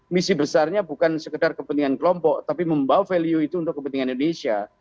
misi besarnya bukan sekedar kepentingan kelompok tapi membawa value itu untuk kepentingan indonesia